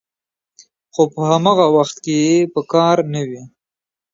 خو په هماغه وخت کې یې په کار نه وي